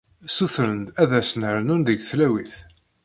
Ssutren-d ad asen-rnun deg tlawit.